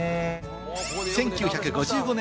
１９５５年